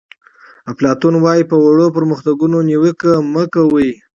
افلاطون وایي په ورو پرمختګ نیوکه مه کوئ.